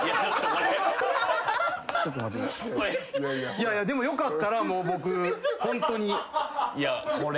いやいやでも良かったら僕ホントに。